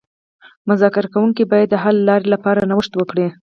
مذاکره کوونکي باید د حل لارې لپاره نوښت وکړي